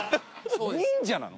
忍者なの？